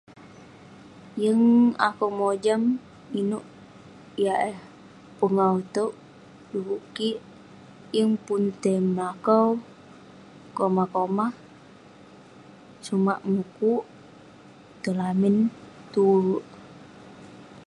Yeng akouk mojam inouk yah eh pengawu itouk, dekuk kik yeng pun tai melakau komah komah. Sumak mukuk tong lamin tue.